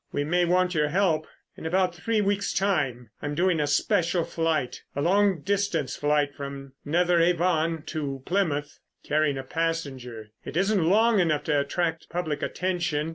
We may want your help. In about three weeks' time I'm doing a special flight—a long distance flight from Netheravon to Plymouth, carrying a passenger. It isn't long enough to attract public attention.